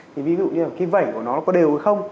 thì ví dụ như là cái vẩy của nó có đều hay không